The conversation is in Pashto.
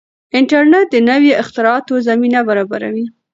انټرنیټ د نویو اختراعاتو زمینه برابروي.